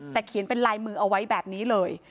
แต่เขียนเป็นลายมือเอาไว้แบบนี้เลย